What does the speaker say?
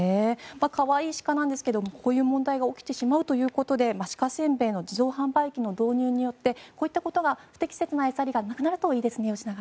可愛い鹿なんですがこういう問題が起きてしまうということで鹿せんべいの自動販売機の導入によってこういったことが不適切な餌やりがなくなるといいですね。